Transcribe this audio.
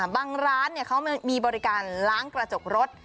บางร้านเขามีบริการล้างกระจกรถ